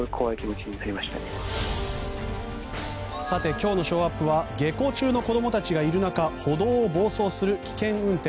今日のショーアップは下校中の子どもたちがいる中歩道を暴走する危険運転。